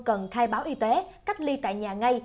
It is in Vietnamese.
cần khai báo y tế cách ly tại nhà ngay